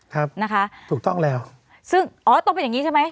ครับถูกต้องแล้วควรจะเป็นอย่างนี้ซึ่งอ๋อต้องเป็นอย่างนี้ใช่ไหม